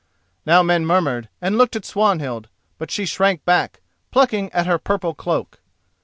Now men murmured and looked at Swanhild. But she shrank back, plucking at her purple cloak.